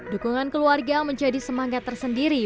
dukungan keluarga menjadi semangat tersendiri